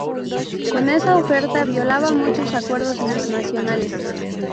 Con esa oferta violaba muchos acuerdos internacionales.